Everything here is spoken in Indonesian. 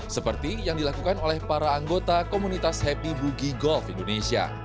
seperti yang dilakukan oleh para anggota komunitas happy boogie golf indonesia